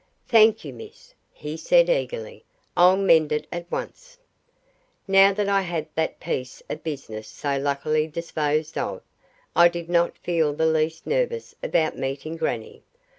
"Thank you, miss," he said eagerly. "I'll mend it at once." Now that I had that piece of business so luckily disposed of, I did not feel the least nervous about meeting grannie.